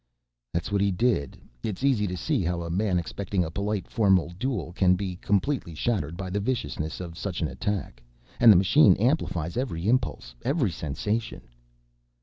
"That's what he did. It's easy to see how a man expecting a polite, formal duel can be completely shattered by the viciousness of such an attack. And the machine amplifies every impulse, every sensation."